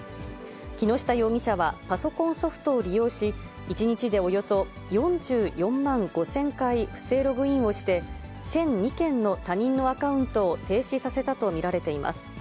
木下容疑者はパソコンソフトを利用し、１日でおよそ４４万５０００回不正ログインをして、１００２件の他人のアカウントを停止させたと見られています。